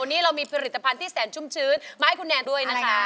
วันนี้เรามีผลิตภัณฑ์ที่แสนชุ่มชื้นมาให้คุณแนนด้วยนะคะ